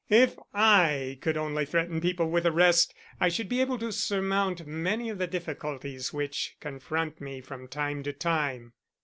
If I could only threaten people with arrest I should be able to surmount many of the difficulties which confront me from time to time."